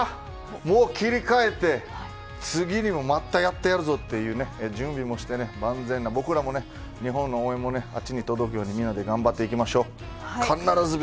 もう切り替えて次にまたやってやるぞという準備もして万全な僕らも日本の応援もあっちに届くようにみんなで頑張っていきましょう。